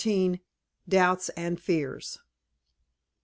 DOUBTS AND FEARS.